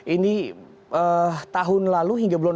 ini tahun lalu hingga bulan